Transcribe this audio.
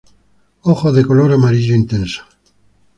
Ojos de color amarillo intenso.